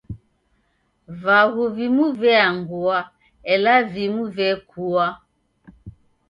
Vaghu vimu veangua, ela vimu vekua.